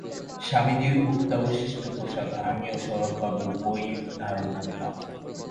স্বামীজীর ভুক্তাবশিষ্ট প্রসাদ আমি ও শরৎবাবু উভয়েই ধারণ করিলাম।